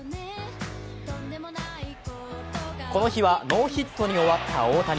この日はノーヒットに終わった大谷。